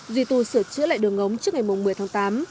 duy tù sửa chữa lại đường ống trước ngày năm tháng